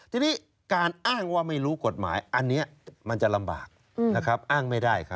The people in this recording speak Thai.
ทีนี้การอ้างว่าไม่รู้กฎหมายอันนี้มันจะลำบากอ้างไม่ได้